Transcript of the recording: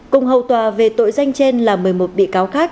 cùng hầu tòa về tội danh trên là một mươi một bị cáo khác